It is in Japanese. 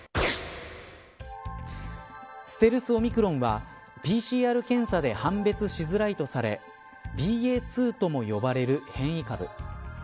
ステルスオミクロンはＰＣＲ検査で判別しづらいとされＢＡ．２とも呼ばれる変異株。